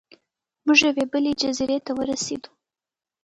موږ یوې بلې جزیرې ته ورسیدو.